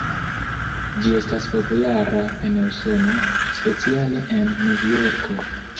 Ĝi estas populara en Usono, speciale en Novjorko.